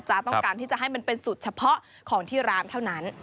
ต้องการที่จะให้มันเป็นสูตรเฉพาะของที่ร้านเท่านั้น